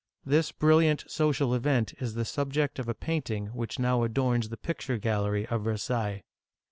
This brilliant social event is the subject of a painting which how adorns the picture gallery of Versailles.